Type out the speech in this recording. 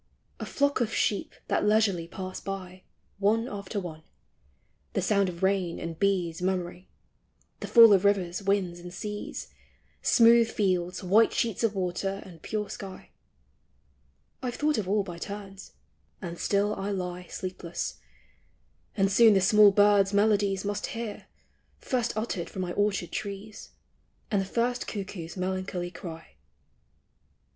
A flock of sheep that leisurely pass by One after one ; the sound of rain, and bees Murmuring ; the fall of rivers, winds and seas, LABOR AXD REST. 135 Smooth fields, white sheets of water, and pure sky;— I 've thought of all by turns, and still T lie Sleepless; and soon the small birds' melodies Must hear, first uttered from niv orchard trees, And the first cuckoo's melancholy cry.